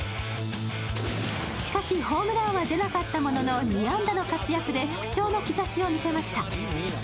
しかし、ホームランは出なかったものの２安打の活躍で復調の兆しを見せました。